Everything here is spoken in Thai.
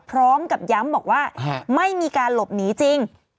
พร้อมกับย้ำบอกว่าไม่มีการหลบหนีจริง